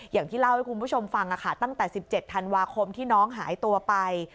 อย่างที่เล่าให้คุณผู้ชมฟังตั้งแต่๑๗ธันวาคมที่น้องหายตัวไป